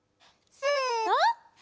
せの！